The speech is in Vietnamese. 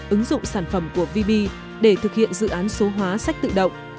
ứng dụng sản phẩm của vb để thực hiện dự án số hóa sách tự động